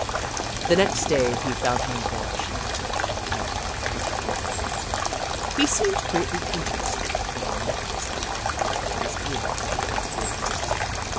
The next day, he found my watch and took it out from under my pillow. He seemed Hoot Mon 213 greatly interested in the mechanism and held it to his ear that he might hear it tick.